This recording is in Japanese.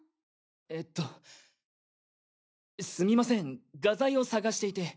えっとすみません画材を探していて。